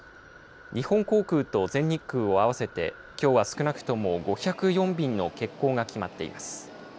日本航空と全日空を合わせてきょうは少なくとも５０４便の欠航が決まっています。